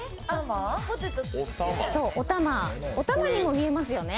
おたまにも見えますよね。